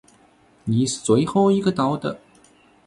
你是最后一个到的。